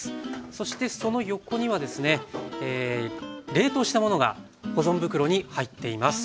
そしてその横にはですね冷凍したものが保存袋に入っています。